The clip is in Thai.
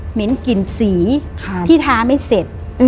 เหม็นกลิ่นสีที่ทาไม่เสร็จ